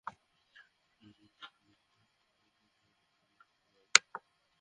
শ্রমিকেরাও মনে করেন, শ্রম মন্ত্রণালয়ে অভিযোগ করেও তাঁরা বিচার পাবেন না।